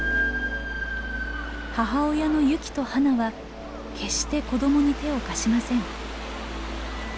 母親のユキとハナは決して子どもに手を貸しません。